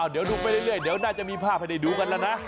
เดี๋ยวดูไปเรื่อยเดี๋ยวน่าจะมีภาพให้ได้ดูกันแล้วนะ